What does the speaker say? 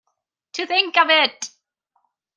To think of it!